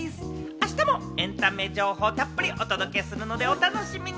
明日もエンタメ情報、たっぷりお届けするので、お楽しみに。